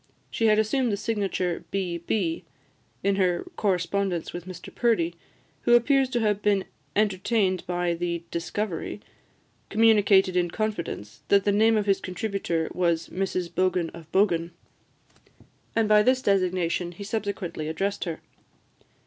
She had assumed the signature, "B. B.," in her correspondence with Mr Purdie, who appears to have been entertained by the discovery, communicated in confidence, that the name of his contributor was "Mrs Bogan of Bogan;" and by this designation he subsequently addressed her.